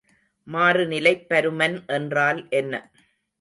மாறுநிலைப் பருமன் என்றால் என்ன?